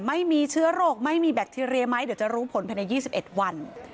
ไม่มีเชื้อโรคไม่มีแบคทีเรียไหมเดี๋ยวจะรู้ผลภายใน๒๑วัน